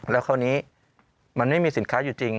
แล้วคราวนี้มันไม่มีสินค้าอยู่จริง